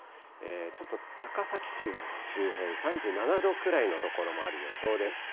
ちょっと高崎市周辺、３７度くらいの所もある予想です。